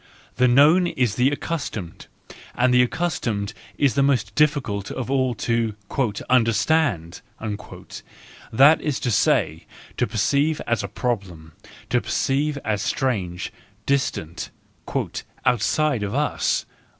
The known is the accustomed, and the accustomed is the most difficult of all to "understand," that is to say, to perceive as a problem, to perceive as strange, distant, " outside of us."